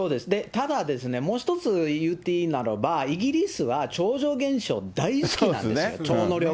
ただですね、もう１つ言っていいならば、イギリスは超常現象大好きなんですよ、超能力。